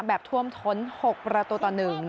แบบท่วมท้น๖ประตูต่อ๑